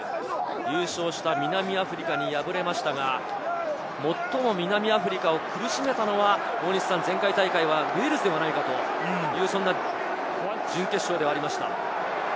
優勝した南アフリカに敗れましたが、最も南アフリカを苦しめたのは大西さん、前回大会はウェールズではないかと、そんな準決勝ではありました。